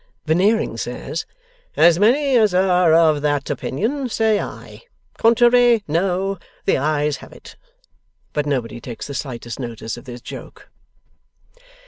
Veneering says, 'As many as are of that opinion, say Aye, contrary, No the Ayes have it.' But nobody takes the slightest notice of his joke.